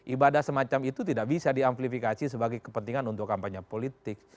ibadah semacam itu tidak bisa diamplifikasi sebagai kepentingan untuk kampanye politik